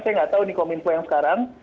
saya nggak tahu nih kominfo yang sekarang